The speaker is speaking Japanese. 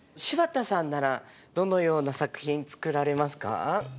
柴田さんならどのような作品作られますか？